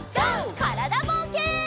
からだぼうけん。